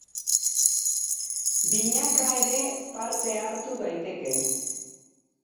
Binaka ere parte hartu daiteke.